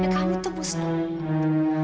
ya kamu tebus tuh